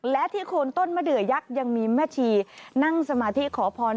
และที่โคนต้นมะเดือยักษ์ยังมีแม่ชีนั่งสมาธิขอพร